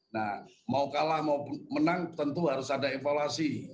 nah mau kalah mau menang tentu harus ada evaluasi